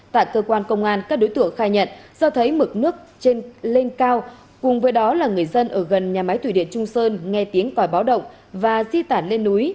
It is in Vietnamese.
tại cơ quan công an các đối tượng khai nhận do thấy mực nước lên cao cùng với đó là người dân ở gần nhà máy thủy điện trung sơn nghe tiếng còi báo động và di tản lên núi